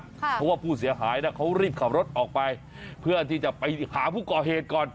เพราะว่าผู้เสียหายเขารีบขับรถออกไปเพื่อที่จะไปหาผู้ก่อเหตุก่อน